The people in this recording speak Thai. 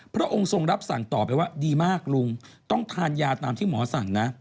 พระองค์ทรงรับสั่งต่อไปว่าดีมากลุงต้องทานยาตามที่หมอสั่งนะ